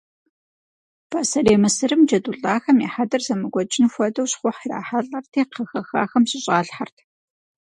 Пасэрей Мысырым джэду лӏахэм я хьэдэр зэмыкӏуэкӏын хуэдэу щхъухь ирахьэлӏэрти кхъэ хэхахэм щыщӏалъхэрт.